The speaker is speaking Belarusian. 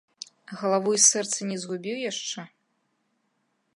Галаву і сэрца не згубіў яшчэ?